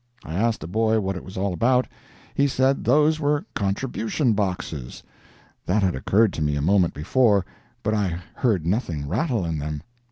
I asked a boy what it was all about. He said those were contribution boxes. That had occurred to me a moment before, but I heard nothing rattle in them.